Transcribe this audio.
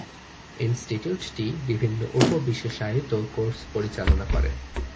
ইনস্টিটিউটটি বিভিন্ন উপ-বিশেষায়িত কোর্স পরিচালনা করে।